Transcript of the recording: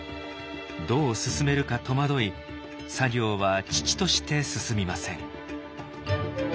どう進めるか戸惑い作業は遅々として進みません。